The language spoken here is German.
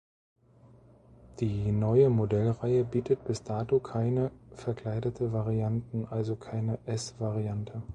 Die neue Modellreihe bietet bis dato keine verkleidete Varianten, also keine „S“-Variante.